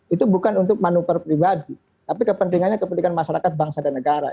itu bukan untuk manuver pribadi tapi kepentingannya kepentingan masyarakat bangsa dan negara